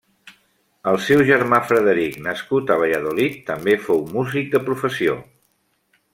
El seu germà Frederic, nascut a Valladolid, també fou músic de professió.